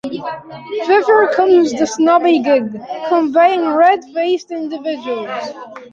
Thither comes the snobby gig, conveying red-faced individuals.